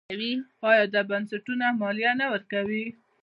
آیا دا بنسټونه مالیه نه ورکوي؟